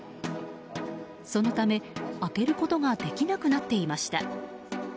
そのため開けることができなくなっていました。